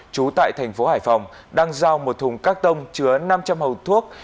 trú tại thành phố hải phòng đang giao một thùng các tông chứa năm trăm linh hộp thuốc